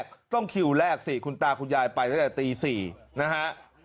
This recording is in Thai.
ต้องคิวแรกสิคุณตาคุณยายไปตั้งแต่ตี๔นะฮะ